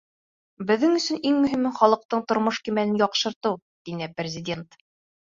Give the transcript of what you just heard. Беҙҙең өсөн иң мөһиме — халыҡтың тормош кимәлен яҡшыртыу, — тине Президент.